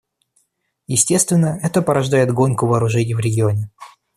Естественно, это порождает гонку вооружений в регионе.